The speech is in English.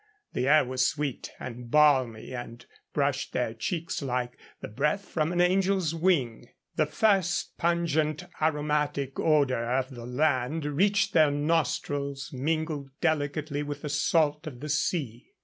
The air was sweet and balmy and brushed their cheeks like the breath from an angel's wing. The first pungent aromatic odor of the land reached their nostrils, mingled delicately with the salt of the sea.